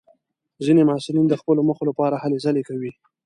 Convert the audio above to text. ځینې محصلین د خپلو موخو لپاره هلې ځلې کوي.